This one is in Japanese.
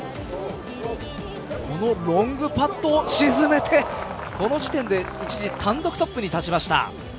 このロングパットを沈めてこの時点で一時単独トップに立ちました。